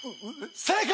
正解！